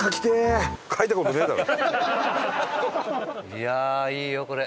いやあいいよこれ。